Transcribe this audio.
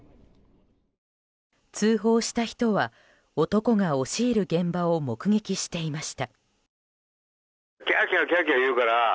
通報した人は男が押し入る現場を目撃していました。